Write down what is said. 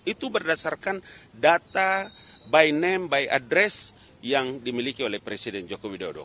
itu berdasarkan data by name by address yang dimiliki oleh presiden joko widodo